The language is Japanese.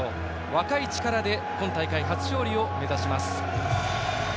若い力で今大会初勝利を目指します。